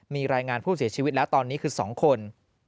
มีรายงานผู้เสียชีวิตแล้วตอนนี้คือ๒คน